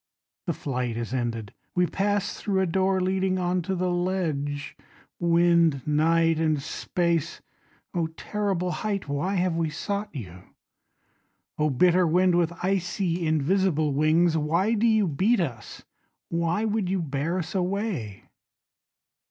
The flight is ended. We pass thru a door leading onto the ledge Wind, night and space Oh terrible height Why have we sought you? Oh bitter wind with icy invisible wings Why do you beat us? Why would you bear us away?